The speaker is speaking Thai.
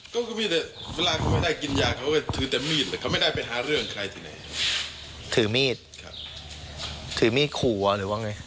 ก็คือมีดเวลาเขาไม่ได้กินยาเขาก็ถือแต่มีดแต่เขาไม่ได้ไปหาเรื่องใครที่ไหนถือมีดครับถือมีดขัวหรือว่าไง